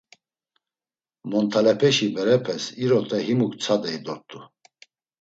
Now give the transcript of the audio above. Montalepeşi berepes irote himuk mtsadey dort̆u.